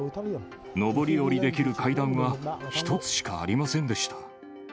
上り下りできる階段は１つしかありませんでした。